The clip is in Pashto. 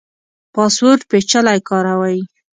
پاسورډ پیچلی کاروئ؟